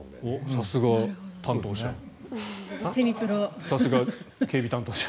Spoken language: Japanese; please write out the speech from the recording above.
さすが警備担当者。